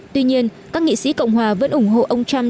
tuy nhiên các nghị sĩ cộng hòa vẫn ủng hộ ông trump